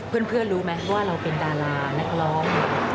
เพื่อนรู้ไหมว่าเราเป็นดารานักร้อง